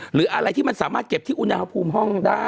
หรืออะไรที่มันสามารถเก็บที่อุณหภูมิห้องได้